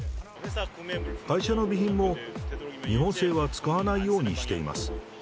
会社の備品も日本製は使わないようにしています。